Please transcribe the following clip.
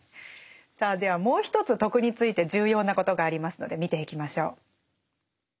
さあではもう一つ「徳」について重要なことがありますので見ていきましょう。